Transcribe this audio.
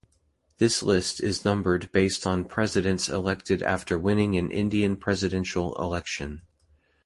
This list is numbered based on Presidents elected after winning an Indian Presidential election.